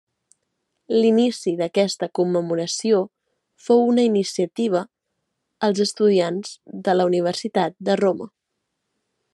L'inici d'aquesta commemoració fou una iniciativa els estudiants de la Universitat de Roma.